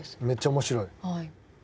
めっちゃ面白い？